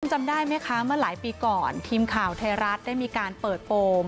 จำได้ไหมคะเมื่อหลายปีก่อนทีมข่าวไทยรัฐได้มีการเปิดโปรม